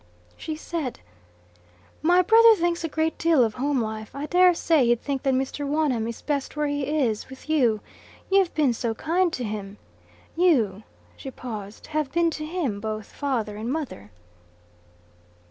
She said: "My brother thinks a great deal of home life. I daresay he'd think that Mr. Wonham is best where he is with you. You have been so kind to him. You" she paused "have been to him both father and mother."